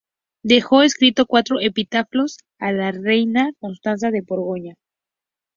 Dejó escritos cuatro epitafios a la reina Constanza de Borgoña.